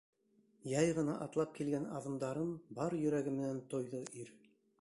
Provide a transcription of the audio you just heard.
Яй ғына атлап килгән аҙымдарын бар йөрәге менән тойҙо ир.